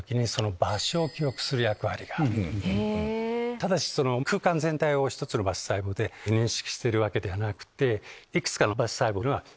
ただし空間全体を１つの場所細胞で認識してるわけではなくて。